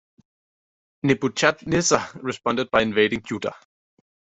Nebuchadnezzar responded by invading Judah.